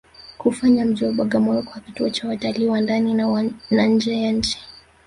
kuufanya mji wa Bagamoyo kuwa kituo cha watalii wa ndani na nje ya nchini